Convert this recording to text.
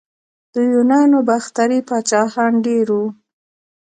د یونانو باختري پاچاهان ډیر وو